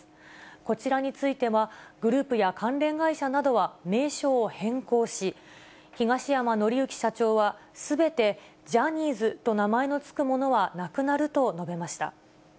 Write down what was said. こちらについては、グループや関連会社などは名称を変更し、東山紀之社長は、すべてジャニーズと名前の付くものはなくなると述べました。